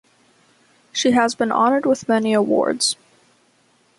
She has been honored with many awards.